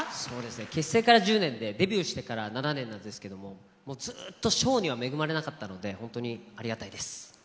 結成から１０年でデビューしてから７年なんですけど、ずっと賞には恵まれなかったので本当にありがたいです。